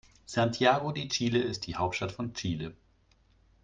Santiago de Chile ist die Hauptstadt von Chile.